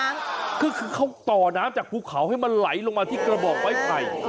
ก็คือเขาต่อน้ำจากภูเขาให้มันไหลลงมาที่กระบอกไม้ไผ่